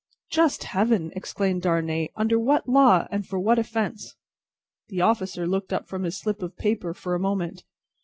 "Just Heaven!" exclaimed Darnay. "Under what law, and for what offence?" The officer looked up from his slip of paper for a moment.